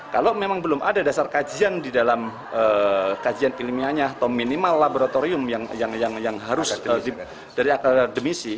kalau memang belum ada dasar kajian di dalam kajian ilmiahnya atau minimal laboratorium yang harus dari akademisi